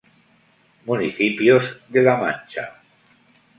Municipios de La Mancha